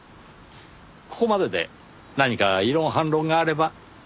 ここまでで何か異論反論があれば。